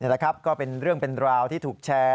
แหละครับก็เป็นเรื่องเป็นราวที่ถูกแชร์